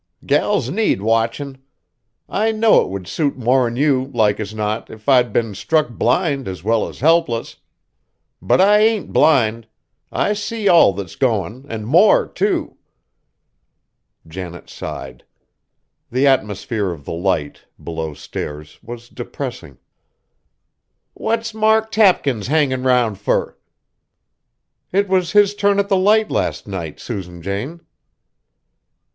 Gals need watchin'. I know it would suit more'n you, like as not, if I'd been struck blind as well as helpless. But I ain't blind. I see all that's goin', an' more, too!" Janet sighed. The atmosphere of the Light, below stairs, was depressing. "What's Mark Tapkins hangin' round fur?" "It was his turn at the Light last night, Susan Jane."